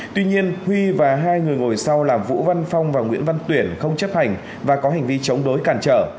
tuy nhiên huy và hai người ngồi sau là vũ văn phong và nguyễn văn tuyển không chấp hành và có hành vi chống đối cản trở